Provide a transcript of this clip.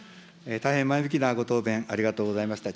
大変前向きなご答弁、ありがとうございました。